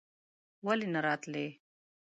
ولې نه راتلې?